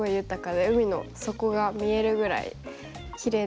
海の底が見えるぐらいきれいなところで。